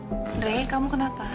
andre kamu kenapa